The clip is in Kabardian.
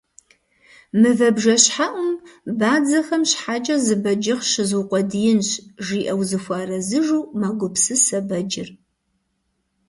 «Мывэ бжэщхьэӀум бадзэхэм щхьэкӀэ зы бэджыхъ щызукъуэдиинщ, - жиӀэу зыхуэарэзыжу мэгупсысэ бэджыр.